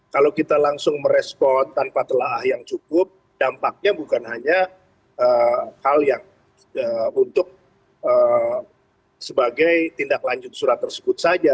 kalau kita langsung merespon tanpa telah yang cukup dampaknya bukan hanya hal yang untuk sebagai tindak lanjut surat tersebut saja